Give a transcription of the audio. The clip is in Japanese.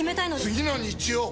次の日曜！